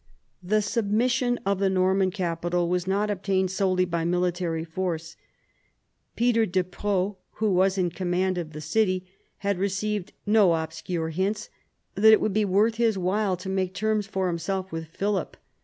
The submission of the Norman capital was not obtained solely by military force. Peter de Preaux, who was in command of the city, had received no obscure hints that it would be worth his while to make terms for himself with Philip.